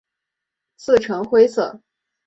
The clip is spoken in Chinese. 刺呈灰色。